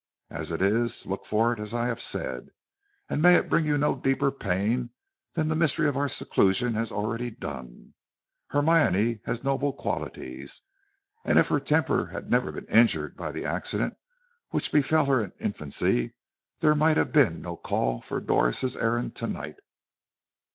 As it is, look for it as I have said, and may it bring you no deeper pain than the mystery of our seclusion has already done. Hermione has noble qualities, and if her temper had never been injured by the accident which befell her in her infancy, there might have been no call for Doris' errand to night."